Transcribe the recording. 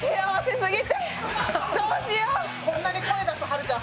こんなに声出すはるちゃん